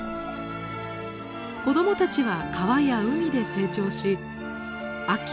子どもたちは川や海で成長し秋